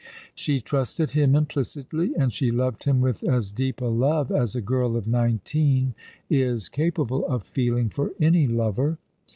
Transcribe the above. She trusted him implicitly; and she loved him with as deep a love as a girl of nineteen is capable of feeling for any lover.